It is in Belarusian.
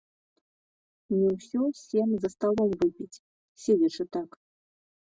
Не ўсе сем за сталом выпіць, седзячы так.